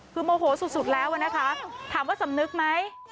คือโมโหสุดแล้วนะคะถามว่าสำนึกไหม